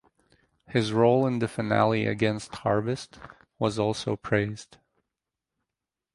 His role in the finale against Harvest was also praised.